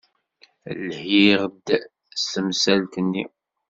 Lhiɣ-d s temsalt-nni.